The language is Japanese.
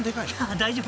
［大丈夫。